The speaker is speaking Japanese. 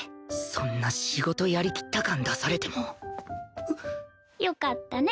そんな仕事やりきった感出されてもよかったね。